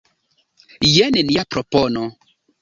Jen nia propono.